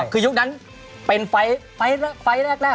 คือยุคนั้นเป็นไฟล์แรก